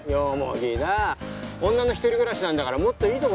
田女の１人暮らしなんだからもっといいとこ住めよ。